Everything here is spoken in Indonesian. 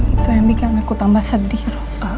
itu yang bikin aku tambah sedih